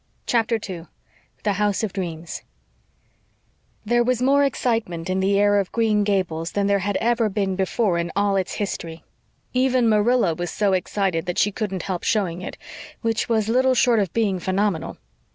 CHAPTER 2 THE HOUSE OF DREAMS There was more excitement in the air of Green Gables than there had ever been before in all its history. Even Marilla was so excited that she couldn't help showing it which was little short of being phenomenal.